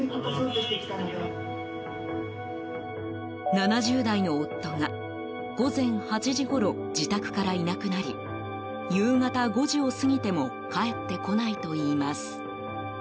７０代の夫が午前８時ごろ自宅からいなくなり夕方５時を過ぎても帰ってこないといいます。